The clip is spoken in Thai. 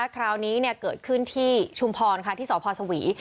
คราวนี้เกิดขึ้นที่ชุมพรค่ะที่สพสวี